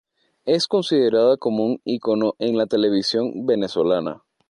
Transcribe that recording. Es considerada como un icono en la televisión venezolana.